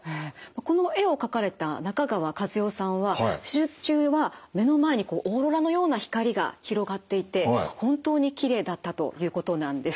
この絵を描かれた中川万代さんは手術中は目の前にこうオーロラのような光が広がっていて本当にきれいだったということなんです。